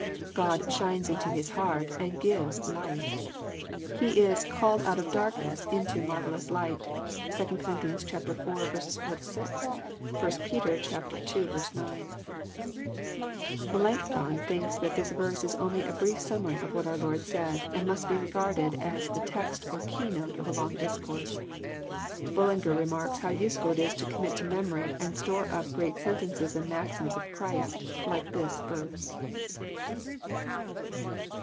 God '* shines into his heart and givesl ight." He is '< called out of darkness into marvellous light." (2 Cor. iv. 4—6 ; 1 Pet. 11. 9.) Melancthon thinks that this verse is only a brief summary of what our Lord said, and must be regarded as the text or key note of a long discourse. BuUinger remarks how usefUl it is to commit to memory and store up great sentences and maxims of Christ, like this verse.